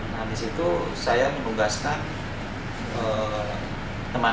nah disitu saya menunggaskan teman teman